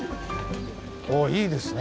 いいですね。